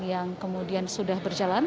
yang kemudian sudah berjalan